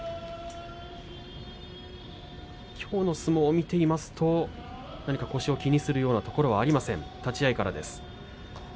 きょうの相撲を見ていますと腰を気にするようなところはありません。